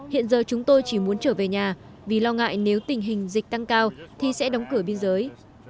hiện giờ chúng tôi chỉ muốn trở về nhà vì lo ngại nếu tình hình dịch tăng cao thì sẽ đóng cửa biên giới